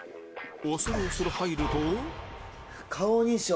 恐る恐る入ると顔認証。